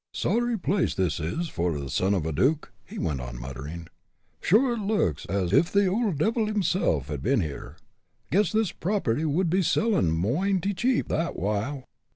"Sorry a place this is for the son of a duke," he went on muttering. "Sure, it looks as if the ould divil himself had been here. Guess this property would be sellin' moighty cheap, tha while.